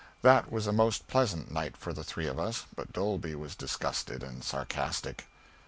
That was a most pleasant night for three of us, but Dolby was disgusted and sarcastic.